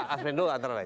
asmendo antara lain